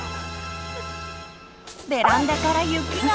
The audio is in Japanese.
ベランダから雪が。